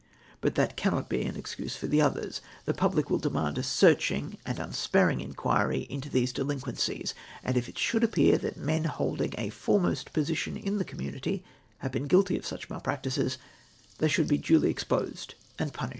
But that can not be an excuse for the others. The public will demand a searching and unsparing inquiry into these delincpiencies, and if it should appear that men he Iding a foremost position in the community have been guilty of such malpractices, they should be duly exposed and punished."